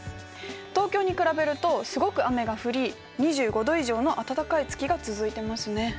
東京に比べるとすごく雨が降り２５℃以上の暖かい月が続いてますね。